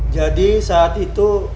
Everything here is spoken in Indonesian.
jadi saat itu